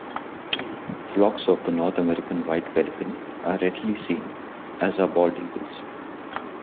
Flocks of the North American White Pelican are readily seen as are Bald Eagles.